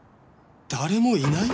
誰もいない！？